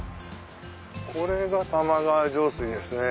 これが玉川上水ですね。